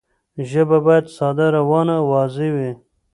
ژبه باید ساده، روانه او واضح وي.